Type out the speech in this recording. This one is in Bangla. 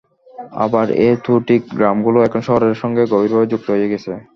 আবার এ-ও তো ঠিক, গ্রামগুলো এখন শহরের সঙ্গে গভীরভাবে যুক্ত হয়ে গেছে।